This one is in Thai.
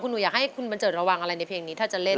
หนูอยากให้คุณบันเจิดระวังอะไรในเพลงนี้ถ้าจะเล่น